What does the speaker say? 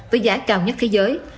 với giá cao nhất thế giới